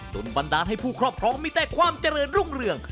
บันดาลให้ผู้ครอบครองมีแต่ความเจริญรุ่งเรือง